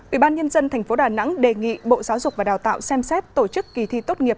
ubnd tp đà nẵng đề nghị bộ giáo dục và đào tạo xem xét tổ chức kỳ thi tốt nghiệp